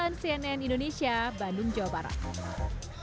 nah untuk mengurangi peradangan di tubuh kita kita harus mengambil beberapa produk